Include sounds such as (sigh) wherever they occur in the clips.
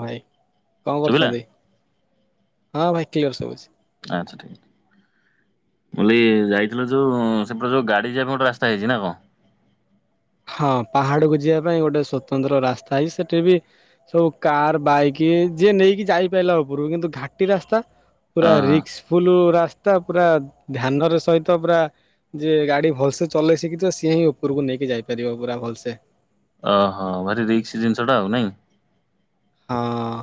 ଭାଇ କଣ ଶୁଭିଲା କରୁଛନ୍ତି? ହଁ ଭାଇ କ୍ଲିଅର ସୁବୁଛି। ଆଚ୍ଛା ଠିକ୍! ମୁଁ କହିଲି ଯାଇଥିଲ ଯୋଉ ସେପଟେ ଯୋଉ ଗାଡି ଯିବା ପାଇଁ ଗୋଟେ ରାସ୍ତା ହେଇଛି ନା କଣ? ହଁ ପାହାଡକୁୁ ଯିବା ପାଇଁ ଗୋଟେ ସ୍ଵତନ୍ତ୍ର ରାସ୍ତା ହେଇଛି। ସେଠି ବି ସବୁ କାର୍ ବାଇକ୍ ଯିଏ ନେଇକି ଯାଇପାରିଲା ଉପରକୁ କିନ୍ତୁ ଘାଟି ରାସ୍ତା ପୁରା ହଁ ହଁ ରିକିସଫୁଲ ରାସ୍ତା ପୁରା ଧ୍ୟାନର ସହିତ ପୁରା ଯେ ଗାଡି ଭଲସେ ଚଲେଇ ଶିଖିଥିବ ସିଏ ହିଁ ଉପରକୁ ନେଇକି ଯାଇପାରିବ ପୁରା ଭଲସେ। ଓହୋ ଭାରି ରିକ୍ସ ଜିନିଷଟା ଆଉ ନାଇଁ। ହଁ।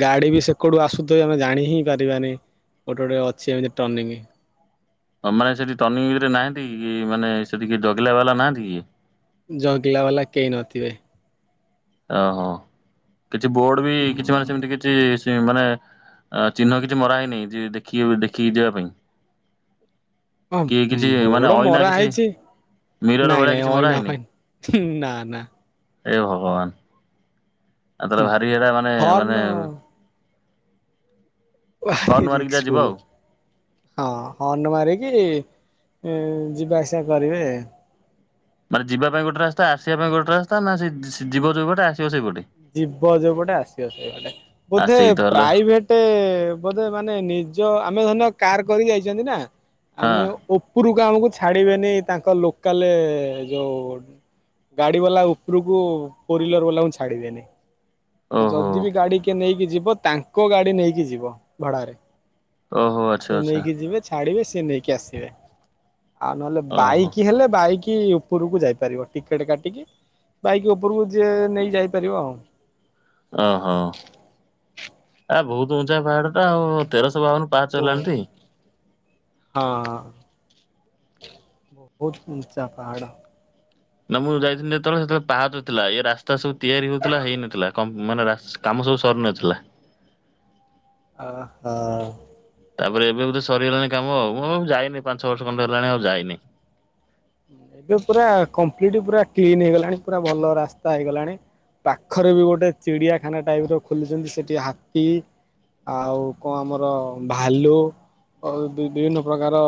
ଗାଡ଼ି ବି ସେକଡୁ ଆସୁଥିବ ଆମେ ଜାଣି ହିଁ ପାରିବାନି ଗୋଟେ ଗୋଟେ ଅଛି ଏମିତି ଟ୍ରନିଂ। ହଁ ମାନେ ସେଠି ଟ୍ରନିଂ ଇଏରେ ନାହାନ୍ତି କି ମାନେ ସେଠି କିଏ ଜଗିଲା ବାଲା ନାହାଁନ୍ତି କିଏ? ଜଗିଲା ବାଲା କେହି ନଥିବେ। ଓହୋ କିଛି ବୋର୍ଡ ବି କିଛି ମାନେ ସେମିତି କିଛି ମାନେ ଚିହ୍ନ କିଛି ମରା ହେଇନି ଯିଏ ଦେଖି ଦେଖିକି ଯିବା ପାଇଁ। କି ହଁ କିଛି ମାନେ ବୋଡ ଅଇନା ମରା କିଛି ହେଇଛି। ମିରର ନାଇଁ ଭଳିଆ ନାଇଁ କିଛି ମରା ଅଇନା ହେଇନି ପାଇଁ ନା ନା। ଏ ଭଗବାନ। ଆଉ ତାହଲେ ଭାରି ଏଟା ମାନେ ହର୍ନ ମାନେ ଭାରି ହର୍ନ ମାରିକି ଯାହା ରିକ୍ସ ଯିବ ଫୁଲ୍। ଆଉ। ହଁ ହର୍ନ ମାରିକି ଯିବା ଆସିବା କରିବେ। ମାନେ ଯିବା ପାଇଁ ଗୋଟେ ରାସ୍ତା ଆସିବା ପାଇଁ ଗୋଟେ ରାସ୍ତା ନା ସେ ଯିବ ଯୋଉ ପଟେ ଆସିବ ସେଇ ପଟେ। ଯିବ ଯୋଉପଟେ ଆସିବ ସେଇପଟେ ବୋଧେ ସେଇ ତାହଲେ ପ୍ରାଇଭେଟ ଗୋଟେ ବୋଧେ ମାନେ ନିଜ ଆମେ ଧରିନିଅ କାର୍ କରିକି ଯାଇଛନ୍ତି ନା ହଁ ଆମେ ଉପରକୁ ଆମକୁ ଛାଡ଼ିବେନି ତାଙ୍କ ଲୋକାଲ୍ ଯୋଉ ଗାଡି ବାଲା ଉପରକୁ ଫୋରହୁଇଲର ବାଲା କୁ ଛାଡିବେନି। ମାନେ ଓହୋ ଯଦି ବି ଗାଡି କିଏ ନେଇକି ଯିବ ତାଙ୍କ ଗାଡି ନେଇକି ଯିବ ଭଡାରେ। ଓହୋ ଆଚ୍ଛା ସେ ଆଚ୍ଛା ନେଇକି ଯିବେ ଛାଡିବେ ସେ ନେଇକି ଆସିବେ। ଆଉ ନହେଲେ ଓହୋ। ବାଇକି ହେଲେ ବାଇକି ଉପରକୁ ଯାଇପାରିବ ଟିକେଟ୍ କାଟିକି ବାଇକ୍ ଉପରକୁ ଯିଏ ନେଇ ଯାଇପାରିବ ଆଉ। ଓହଁ। ଆ ବହୁତ୍ ଉଞ୍ଚା ପାହାଡ ଟା ଆଉ ତେରଶହ ବାଉନ ପାଚ ହେଲାଣି ଟି। ହଁ, ବହୁତ୍ ଉଁଚା ପାହାଡ଼। ନା ମୁଁ ଯାଇଥିଲି ଯେତେବେଳେ ସେତେବେଳେ ପାହଚ ଥିଲା ଏ ରାସ୍ତା ସବୁ ତିଆରି ହଉଥିଲା ହେଇନଥିଲା। କ ମାନେ କାମ ସବୁ ସରିନଥିଲା ଆ ଆ। ତାପରେ ଏବେ ବୋଧେ ସରିଗଲାଣି କାମ ଆଉ ଯାଇନି ପାଞ୍ଚ ବର୍ଷ ଖଣ୍ଡେ ହେଲାଣି ଆଉ ଯାଇନି। ଏବେ ପୁରା କପ୍ଲିଟ୍ ପୁରା କ୍ଲିନ ହେଇଗଲାଣି ପୁରା ଭଲ ରାସ୍ତା ହେଇଗଲାଣି। ପାଖରେ ବି ଗୋଟେ ଚିଡିଆଖାନା ଟାଇପ୍ ର ଖୋଲିଛନ୍ତି, ସେଠି ହାତୀ ଆଉ କଣ ଆମର ଭାଲୁ ଆଉ ବିଭିନ୍ନ ପ୍ରକାର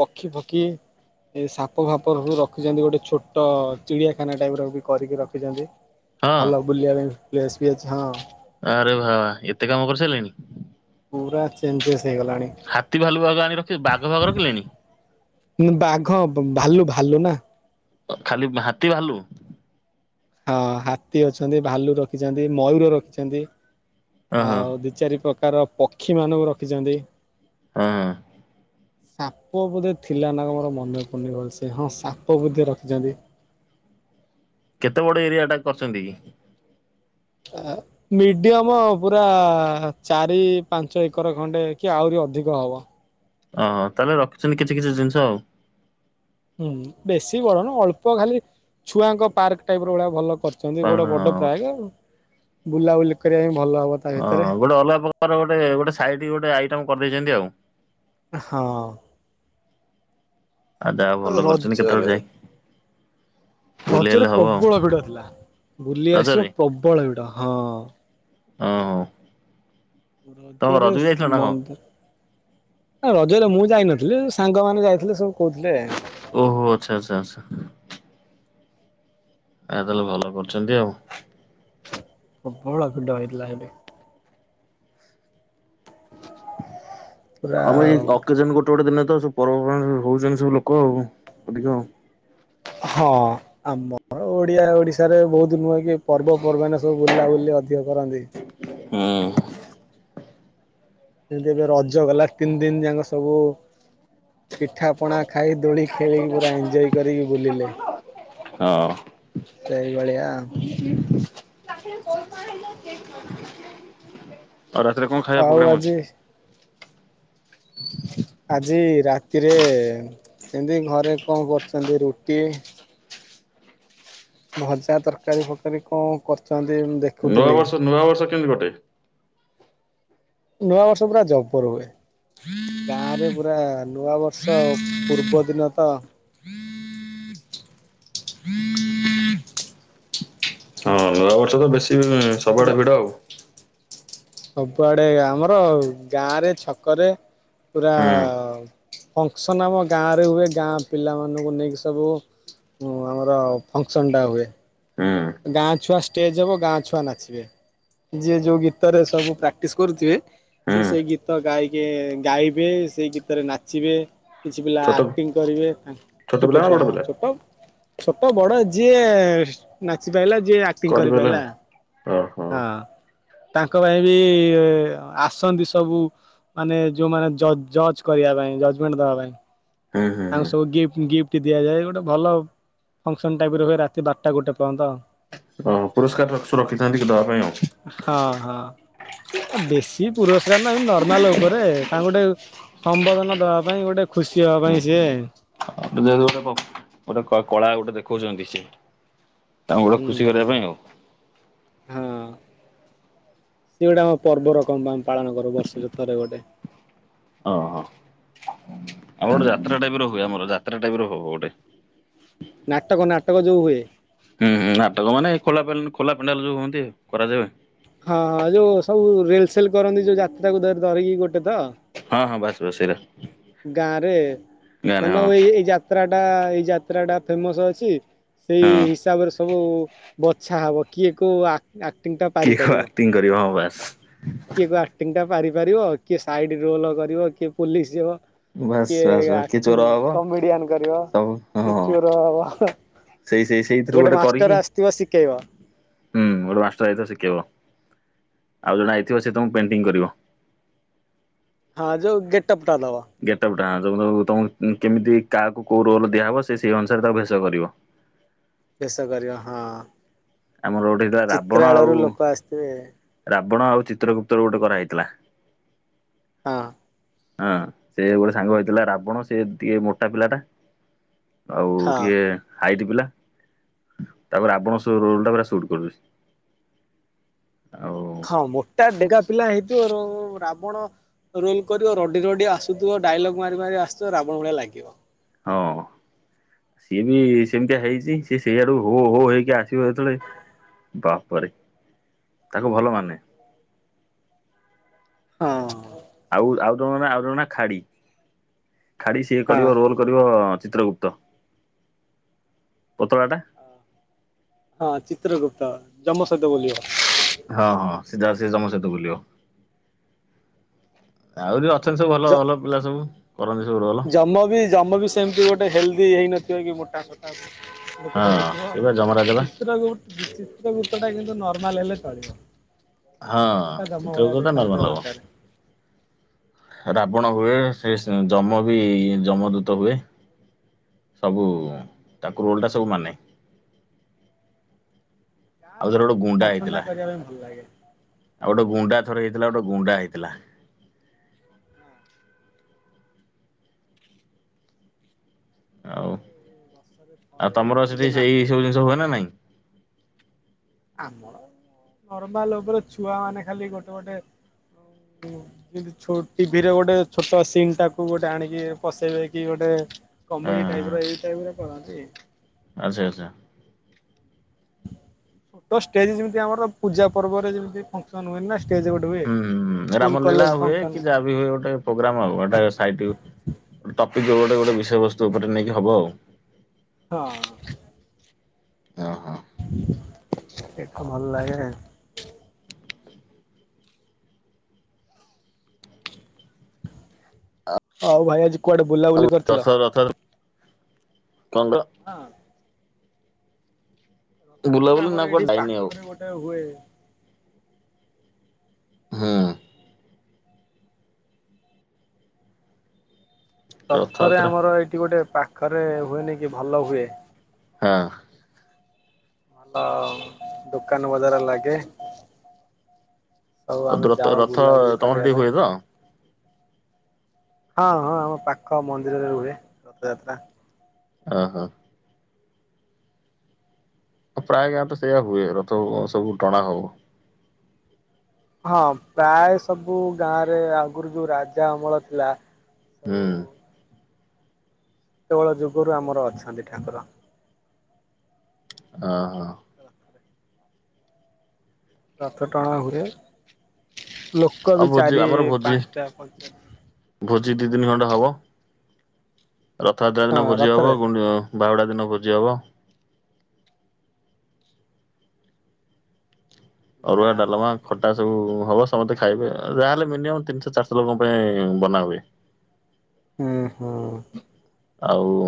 ପକ୍ଷୀ, ପକ୍ଷୀ, ଏ ସା ପ ଭାପ ରଖିଛନ୍ତି ଗୋଟେ ଛୋଟ ଚିଡ଼ିଆଖାନା ଟାଇପ୍ ର ବି କରିକି ରଖିଛନ୍ତି, ହଁ ହେଲୋ ବୁଲିବା ପାଇଁ ପ୍ଲେସ ବି ଅଛି, ହଁ। ଆରେ ବା ବା ଏତେ କାମ କରିସାରିଲେଣି? ପୁରା ଚେଞ୍ଜେସ୍ ହେଇଗଲାଣି। ହାତୀ, ଭାଲୁ, ବାଘ ଆଣି ରଖି ବାଘ, ଫାଗ ରଖିଲେଣି। ଉଁ ବାଘ ଭାଲୁ ଭାଲୁ ନା ଖାଲି ହାତୀ, ଭାଲୁ? ହଁ, ହାତୀ ଅଛନ୍ତି, ଭାଲୁ ରଖିଛନ୍ତି ମୟୂର ରଖିଛନ୍ତି, ଓହୋ ଆଉ ଦି ଦି, ଚାରି ପ୍ରକାର ପକ୍ଷୀ ମାନଙ୍କୁ ରଖିଛନ୍ତି। ହଁ। (inaudible) ସାପ ବୋଧେ ଥିଲା ନା କଣ ମୋର ମନେ ପୁଡୁନି ଭଲ ସେ ହଁ ସାପ ବୋଧେ ରଖିଛନ୍ତି। କେତେ ବଡ ଏରିଆ ଟା କରିଛନ୍ତି କି? ଆ ହା। ମିଡିୟମ୍ ପୁରା ଚାରି, ପାଞ୍ଚ ଏକର ଖଣ୍ଡେ କି ଆହୁରି ଅଧିକ ହବ। ଅ ହଁ ତାହେଲେ ରଖିଛନ୍ତି କିଛି କିଛି ଜିନିଷ ଆଉ। ଉ, ହୁଁ, ବେଶୀ ବଡ ନୁହଁ ଅଳ୍ପ ଖାଲି ଛୁଆଙ୍କ ପାର୍କ ଟାଇପ୍ ର ଭଳିଆ ଭଲ କରିଛନ୍ତି ଗୋଟେ କାରଣ ବଡ ହଁ ବାହା ହେଇଗଲୁ ବୁଲାବୁଲି କରିବା ପାଇଁ ଭଲ ହବ ତ ଅ ହଁ ଗୋଟେ ଅଲଗା ପ୍ରକାର ଗୋଟେ ଗୋଟେ ସାଇଟ କି ଗୋଟେ ଆଇଟମ କରିଦେଇଛନ୍ତି ଆଉ। ହଁ। ଆ ଯାହା ଭଲ କରିଛନ୍ତି କେତେବେଳେ ରଜରେ ଯାଇ ବୁଲି ରଜରେ ହେଲେ ହବ ଆଉ ପ୍ରବଳ ଭିଡ ଥିଲା ବୁଲି ଆସିବ ରଜରେ ପ୍ରବଳ ଭିଡ, ହଁ। ଅ ହଁ। ତମ ରଜ ବି ରଜରେଶ ଯାଇଥିଲ ନା କଣ? ମନ୍ଦ ରଜରେ ମୁଁ ଯାଇନଥିଲି ସାଙ୍ଗମାନେ ଯାଇଥିଲେ ସବୁ କହୁଥିଲେ। ଓହୋ ଆଛା- ଆଛା -ଆଛା। ଆ ତାହାଲେ ଭଲ କରୁଚନ୍ତି ଆଉ। ପ୍ରବଳ ଭିଡ ହେଇଥିଲା ଏଇଠେ। (inaudible) ଆମେ ଏଇ ଅକେଜନ୍ ଗୋଟେ ଗୋଟେ ଦିନ ତ ସବୁ ପର୍ବ ପର୍ବାଣୀ ହଉଚନ୍ତି ସବୁ ଲୋକ ଆଉ ଅଧିକ ଆଉ। ହଁ ଆମର ତ ଓଡିଆ ଓଡିଶାରେ ବହୁତ୍ ନୁହେଁ କି ପର୍ବ ପର୍ବାଣୀ ସବୁ ବୁଲା ବୁଲିି ଅଧି ଅଧିକ କରନ୍ତି। ହୁଁ। ଏମତି ଏବେ ରଜ ଗଲା ତିନି ଦିନି ଯାକ ସବୁ ପିଠା ପଣା ଖାଇ ଦୋଳି ଖେ ଖେଳିକି ପୁରା ଏଞ୍ଜୟ୍ କରିକି ବୁଲିଲେ। ହଁ। ଏଇ ଭଳିଆ। (inaudible) ଆଉ ରାତିରେ କଣ ଖାଇବା ପୋଗ୍ରାମ୍ ଆଉ ଆଜି ଅଛି? ଆଜି ରାତିରେ ସେମିତି ଘରେ କଣ କରୁଚନ୍ତି ରୁଟି ଭଜା ତରକାରୀ ଫରକାରୀ କଣ କରୁଚନ୍ତି ଦେଖ୍ ନୂଆବର୍ଷ- ନୂଆବର୍ଷ କେମିତି କଟେ? ନୂଆବର୍ଷ ପୁରା ଜବର ହୁଏ। ଗାଁରେ ପୁରା ନୂଆ ବର୍ଷ ପୂର୍ବଦିନ ତ ନୂଆ ବର୍ଷ ତ ବେଶୀ ପୁରା ସବୁଆଡେ ଭିଡ ଆଉ। ସବୁଆଡେ ଆମର ଗାଁରେ ଛକରେ ପୁରା ହୁଁ ଫଙ୍କ୍ସନ୍ ଆମ ଗାଁ ରେ ହୁଏ ଗାଁ ପିଲାମାନଙ୍କୁ ନେଇକି ସବୁ ମୁଁ ଆମର ଫଙ୍କ୍ସନ୍ ଟା ହୁଏ। ହୁଁ ଗାଁ ଛୁଆ ଷ୍ଟେଜ୍ ହବ ଗାଁ ଛୁଆ ନାଚିବେ। ଯିଏ ଯଉ ଗୀତରେ ସବୁ ପ୍ରାକ୍ଟିସ୍ କରୁଥିବେ ସିଏ ହୁଁ ସେଇ ଗୀତ ଗାଇକି ଗାଇବେ ସେଇ ଗୀତରେ ନାଚିବେ। କିଛି ପିଲା ଛୋଟ ଆକ୍ଟିଂ କରିବେ। ଛୋଟ ପିଲା ନା ଛୁଆ ବଡ ହଁ ପିଲା? ଛୋଟ- ଛୋଟ ବଡ ଯିଏ ନାଚି ପାଇଲା ଯିଏ ଆକ୍ କରିିପାରିଲା ଓହୋ। ହଁ ତାଙ୍କ ପାଇଁ ବି ଆସନ୍ତି ସବୁ ମାନେ ଯଉମାନେ ଜଜ୍- ଜଜ୍ କରିବା ପାଇଁ ଜଜମେଣ୍ଟ୍ ଦବା ପାଇଁ ହୁଁ ହୁଁ ହୁଁ। ତାଙ୍କୁ ସବୁ ଗିଫ୍ଟ୍ ଗିଫ୍ଟ୍ ଟି ଦିଆଯାଏ ଗୋଟେ ଭଲ ଫଙ୍କ୍ସନ୍ ଟାଇପ୍ ର ହୁଏ ରାତି ବାରଟା ଗୋଟେ ପର୍ଯ୍ୟନ୍ତ। ଓ ପୁରସ୍କାର ସବୁ ରଖିଥାନ୍ତି ଦବା ପାଇଁ ହଁ ଆଉ। ହଁ। ଆ ବେଶୀ ପୁରସ୍କାର ନା ଏ ନର୍ମାଲ୍ ଉପରେ ତାଙ୍କୁ ଗୋଟେ ସମ୍ବୋଧନ ଦବା ପାଇଁ ଗୋଟେ ଖୁସି ହବା ପାଇଁ ହୁଁ ସିଏ -ହୁଁ ଯେହେତୁ ଗୋଟେ- ଗୋଟେ କଳା ଗୋଟେ ଦେଖଉଚନ୍ତି ସେ। ତାଙ୍କୁ ଗୋଟେ ହୁଁ ଖୁସି କରିବା ପାଇଁ ଆଉ। ହଁ ସିଏ ଗୋଟେ ଆମ ପର୍ବ ର (unintelligible) ଆମେ ପାଳନ କରୁ ବର୍ଷକୁ ଥରେ ଗୋଟେ। ହଁ। ଆଉ ଗୋଟେ ଯାତ୍ରା ଟାଇପ୍ ର ହୁଏ ଆମର ଯାତ୍ରା ଟାଇପ୍ ର ହବ ଗୋଟେ। ନାଟକ- ନାଟକ ଯଉ ହୁଏ। ହୁଁ- ହୁଁ ନାଟକ ମାନେ ଖୋଲା ପେନ୍- ଖୋଲା ପେଣ୍ଡାଲ୍ ଯଉ ହୁଅନ୍ତି କରାଯାଏ। ହଁ ହଁ ଯଉ ସବୁ ରିଲ୍ ସେଲ୍ କରନ୍ତି ଯଉ ଯାତ୍ରାକୁ ଧ- ଧରିକି ଗୋଟେ ତ? ହଁ ହଁ ବାସ୍ ବାସ୍ ସେଇରା। ଗାଁ ରେ ମାନେ ହଁ ଏଇ -ଏଇ ଯାତ୍ରା ଟା ଏଇ ଯାତ୍ରା ଟା ଫେମସ୍ ଅଛି। ସେଇ ହଁ ହିସାବରେ ସବୁ ବଛା ହବ କିଏ କୋଉ ଆ ଆକ୍ଟିଂ ଟା ପାରିପାରିବ। ଟିଂ କରିବ ହଁ ବାସ୍। ଆକ୍ଟିଙ୍ଗ ଟା ପାରି ପାରିବ କିଏ ସାଇଡ ରୋଲ କରିବ କିଏ ପୋଲିସ ହବ। ବାସ୍ କିଏ ବାସ୍ ବାସ୍ କିଏ ଚୋର ଆକ୍ଟିଂ ହବ କମେଡିଆନ୍ କରିବ ସବୁ କିଏ ହଁ ଚୋର ହବ। ସେଇ ସେଇ ସେଇଥିରୁ ଗୋଟେ କରିକି ମାଷ୍ଟର୍ ଆସିଥିବ ଶିଖେଇବ। ହୁଁ ଗୋଟେ ମାଷ୍ଟର୍ ଯାଇଥିବ ଶିଖେଇବ ଆଉ ଜଣେ ଯାଇଥିବ ସେ ତମକୁ ପେଣ୍ଟିଙ୍ଗ୍ କରିବ। ହଁ ଯେଉ ଗେଟ୍ ଅପ୍ ଟା ଦବ। ଗେଟପ୍ ଟା ହଁ ଯଉ ତୁମକୁ କେମିତି କାହାକୁ କଉ ରୋଲ୍ ଦିଆହେବ ସେ ସେହି ଅନୁସାରେ ତାକୁ ଭେଷ କରିବ। ଭେଷ କରିବ ହଁ ଆମର ଗୋଟେ ହେଇଥିଲା ରାବଣ ଆଉ ଚିତ୍ରାଳୟରୁ ଲୋକ ଆସିଥିବେ। ରାବଣ ଆଉ ଚିତ୍ରଗୁପ୍ତ ର ଗୋଟେ କରାହେଇଥିଲା। ହଁ। ହଁ ସେ ଗୋଟେ ସାଙ୍ଗ ହେଇଥିଲା ରାବଣ ସେ ଦିଏ ମୋଟା ପିଲା ଟା। ଆଉ ହଁ। ଟିକେ ହାଇଟ୍ ପିଲା ତାପରେ ରାବଣ ରୋଲ୍ ଟା ପୁରା ସୁଟ୍ କରୁଚି। ଆଉ। ହଁ ମୋଟା ଡେଙ୍ଗା ପିଲା ହେଇଥିବ ରାବଣ ରୋଲ୍ କରିବ ରଡି ରଡିି ଆସୁଥୁବ ଡାଇଲଗ୍ ମାରି ମାରି ଆସୁଥୁବ ରାବଣ ଭଳିଆ ଲାଗିବ। ହଁ। ସିଏ ବି ସେମିତିଆ ହେଇଛି ସିଏ ସେଇଆଡୁ ହୋ ହୋ ହେଇକି ଆସିବ ଯେତେବେଳେ ବାପରେ ତାକୁ ଭଲ ମାନେ। ହଁ। ଆଉ ଆଉ ଜଣଙ୍କ ନା ଆଉ ଜଣଙ୍କ ନା ଖାଡି। ଖାଡି ସିଏ ହଁ କରିବ ରୋଲ୍ କରିବ ଚିତ୍ରଗୁପ୍ତ ପତଳା ଟା। ହଁ ଚିତ୍ରଗୁପ୍ତ ଯମ ସହିତ ବୁଲିବ। ହଁ ହଁ ସିଧା ସିଏ ଜମ ସହିତ ବୁଲିବ। ଆହୁରି ଅଛନ୍ତି ସବୁ ଭଲ ଜ ଭଲ ପିଲା ସବୁ କରନ୍ତି ସବୁ ର ଜମ ବି ଜମ ବି ସେମିତି ଗୋଟେ ହେଲଦି ହେଇନଥିବ କି ମୋଟା ତ ହଁ ଗୋଟେ ହେଇଥିବ ସେଇ ବା ଯମରାଜା ବା ଚିତ୍ର ଗ ଚିତ୍ରଗୁପ୍ତ ଟା କିନ୍ତୁ ନର୍ମାଲ୍ ହେଲେ ଚଳିବ। ହଁ ଜମଟା ଜମ ଭଳିଆ ଚିତ୍ରଗୁପ୍ତ ଟା ନର୍ମାଲ୍ ଦେଖାଯାଉଥିବା ହବ। ଦରକାର। ରାବଣ ହୁଏ ସେସ୍ ଯମ ବି ଯମ ଦୂତ ହୁଏ। ସବୁ ତାକୁ ରୋଲ୍ ଟା ସବୁ ମାନେ। ଗାଁ ଆଉ ରେ ଥରେ ଏଇ ଗୋଟେ ଗୁଣ୍ଡା ଫଙ୍କ୍ସନ୍ ହେଇଥିଲା ଟା କରିବା ପାଇଁ ଭଲ୍ ଲାଗେ। ଆଉ ଗୋଟେ ଗୁଣ୍ଡା ଥରେ ହେଇଥିଲା ଗୋଟେ ଗୁଣ୍ଡା ହେଇଥିଲା। ଆଉ। ବର୍ଷରେ ଆଉ ଥରେ ତମର ଏମିତି ସେଠି ଯୋଉ ସେଇ ନାସ୍ତା ସବୁ ଜିନିଷ ହୁଏ ନା ନାଇଁ ଆମର ନର୍ମାଲ୍ ଓପରେ ଛୁଆ ମାନେ ଖାଲି ଗୋଟେ ଗୋଟେ ଆଉ କିନ୍ତୁ ଟିଭି ରେ ଗୋଟେ ଛୋ ଛୋଟ ସିମ୍ ଟାକୁ ଗୋଟେ ଆଣିକି ପସେଇବେ କି ଗୋଟେ ହଁ କମେଡି ହଁ ଟାଇପ୍ ର ଏଇ ଟାଇମି ରେ କରନ୍ତି। ଆଚ୍ଛା ଆଛା। ଛୋଟ ଷ୍ଟେଜ୍ ଯେମିତି ଆମର ପୂଜା ପର୍ବରେ ଯେମିତି ଫଙ୍କ୍ସନ୍ ହୁଏନି ନା ଷ୍ଟେଜ୍ ଗୋ ହୁଁ ହୁଁ ରାମ ଲୀଳା ହୁଏ କି ଯାହା ବିି ହୁଏ ଗୋଟେ ପୋଗ୍ରାମ୍ ଆଉ ଏଟା ସାଇଟ୍ ଟପିକ୍ ଉପରେ ଗୋଟେ ଗୋଟେ ବିଷୟବସ୍ତୁ ଉପରେ ନେଇକି ହବ ଆଉ। ହଁ। ଓହୋ। ସେଟା ଭଲ୍ ଲାଗେ‌। ଆଉ ଭାଇ ଆଜି କୁଆଡେ ଆଉ ବୁଲାବୁଲି କରିଥିଲ? ଦଶରଥ ନନ୍ଦ ହଁ। ରଥଯାତ୍ରା ବୁଲାବୁଲି ନା ଆମର ଏଇଠି କୁଆଡେ ଯାଇନି ଆଉ ପାଖରେ ଗୋଟେ ହୁଏ। ହୁଁ। ରଥରେ ରଥଯାତ୍ରା ଆମର ଏଇଠି ଗୋଟେ ପାଖରେ ହୁଏନି କି ଭଲ ହୁଏ। ହଁ। ଆଉ ଦୋକାନ ବାଜାର ଲାଗେ ଆଉ ହଁ ଆମେ ରଥ ଯାଉ ରଥ ବୁଲାବୁଲି ତମର ସେଠି କରିବା ହୁଏ ପାଇଁ। ତ ହଁ ହଁ ଆମ ପାଖ ମନ୍ଦିରରେ ହେଏ ରଥଯାତ୍ରା। ଓହୋ। ପ୍ରାୟ ଗାଁ ତ ସେଇଆ ହୁଏ ରଥ ସବୁ ଟଣା ହବ। ହଁ ପ୍ରାୟ ସବୁ ଗାଁ ରେ ଆଗରୁ ଯୋଉ ରାଜା ଅମଳ ଥିଲା। ହୁଁ। ସବୁ ସେତେବେଳ ଯୁଗରୁ ଆମର ଅଛନ୍ତି ଠାକୁର। ଅ ହ। ରଥ ଟଣା ହୁଏ ଲୋକ ଆଉ ବି ଭୋଜି ଚାରି ଆମର ଭୋଜି ପାସଟା ପଞ୍ଚା ଭୋଜି ଦି ଦିନି ଖଣ୍ଡେ ହବ। ରଥଯାତ୍ରା ହଁ ଦିନ ଭୋଜି ରଥରେ ହବ ବାହୁଡ଼ା ଦିନ ଭୋଜି ହବ। ଅରୁଆ ଯାହା ହଉ ଡ଼ାଲମା ଖଟା ସବୁ ହବ ସମସ୍ତେ ଖାଇବେ ଯାହାହେଲେ ମିନିମମ୍ ତିନିଶହ ଚାରିଶହ ଲୋକଙ୍କ ପାଇଁ ବନାହୁଏ। ହୁଁ ହୁଁ। ଆଉ